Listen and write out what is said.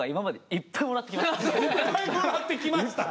いっぱいもらってきました。